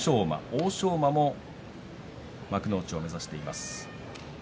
欧勝馬も幕内を目指しています。